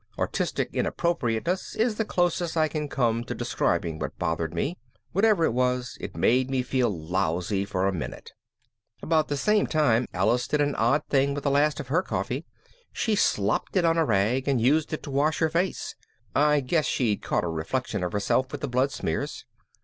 Artistic inappropriateness is the closest I can come to describing what bothered me. Whatever it was, it made me feel lousy for a minute. About the same time Alice did an odd thing with the last of her coffee. She slopped it on a rag and used it to wash her face. I guess she'd caught a reflection of herself with the blood smears.